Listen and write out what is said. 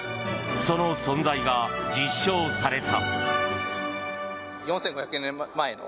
その存在が実証された。